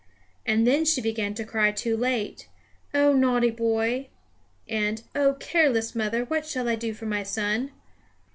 And then she began to cry too late, O naughty boy, and, O careless mother, what shall I do for my son!